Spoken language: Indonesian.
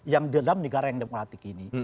yang di dalam negara yang demokratik ini